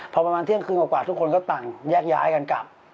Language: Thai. พอประมาณเที่ยงคืนกว่าทุกคนก็ต่างแยกย้ายกันกลับ